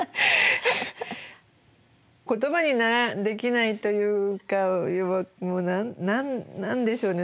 言葉にできないというかもう何でしょうね